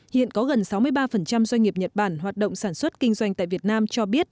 hiện có gần sáu mươi ba doanh nghiệp nhật bản hoạt động sản xuất kinh doanh tại việt nam cho biết